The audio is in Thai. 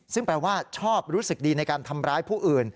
ซึ่งแปลว่าชอบรู้สึกดีในการทำร้ายผู้อื่น